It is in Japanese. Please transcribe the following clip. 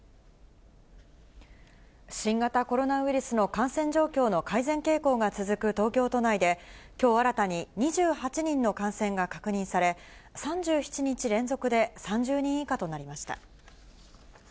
新型コロナウイルスの感染状況の改善傾向が続く東京都内で、きょう新たに２８人の感染が確認され、３７日連続で３０人以下となりました。